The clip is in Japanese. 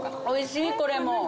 おいしいこれも。